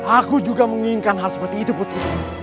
aku juga menginginkan hal seperti itu putri